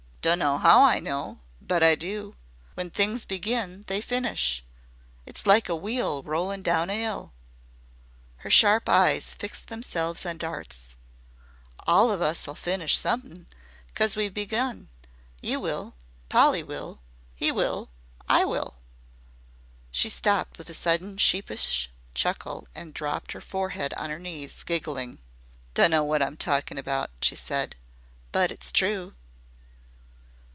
"Dunno 'OW I know but I do. When things begin they finish. It's like a wheel rollin' down an 'ill." Her sharp eyes fixed themselves on Dart's. "All of us'll finish somethin' 'cos we've begun. You will Polly will 'e will I will." She stopped with a sudden sheepish chuckle and dropped her forehead on her knees, giggling. "Dunno wot I 'm talking about," she said, "but it's true."